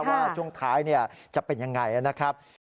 ว่าช่วงท้ายจะเป็นยังไงนะครับ